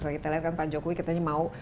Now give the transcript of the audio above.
kalau kita lihat kan pak jokowi katanya mau